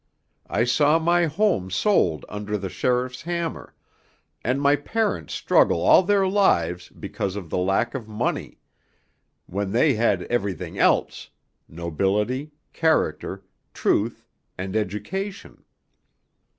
I saw my home sold under the sheriff's hammer, and my parents struggle all their lives because of the lack of money, when they had everything else, nobility, character, truth, and education.